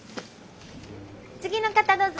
次の方どうぞ。